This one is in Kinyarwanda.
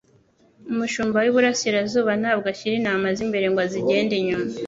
Umushumba w'i burasirazuba ntabwo ashyira intama ze imbere ngo azigende inyuma.